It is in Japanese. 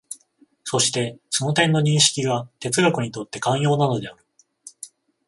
そしてその点の認識が哲学にとって肝要なのである。